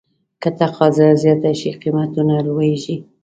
که تقاضا زیاته شي، قیمتونه لوړېږي.